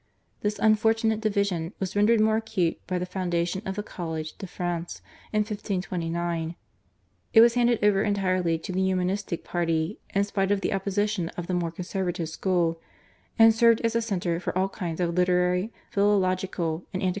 This unfortunate division was rendered more acute by the foundation of the College de France in 1529. It was handed over entirely to the Humanistic party in spite of the opposition of the more conservative school, and served as a centre for all kinds of literary, philological, and antiquarian researches.